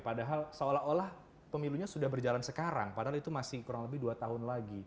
padahal seolah olah pemilunya sudah berjalan sekarang padahal itu masih kurang lebih dua tahun lagi